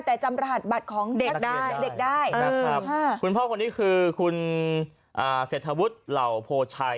แต่จำรหัสบัตรของเด็กได้นะครับคุณพ่อคนนี้คือคุณเศรษฐวุฒิเหล่าโพชัย